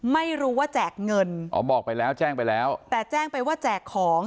ไม่รู้ว่าแจกเงินอ๋อบอกไปแล้วแจ้งไปแล้วแต่แจ้งไปว่าแจกของ